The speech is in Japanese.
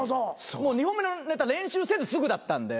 ２本目のネタ練習せずすぐだったんで。